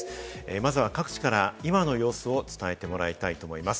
まずは各地から今の様子を伝えてもらいます。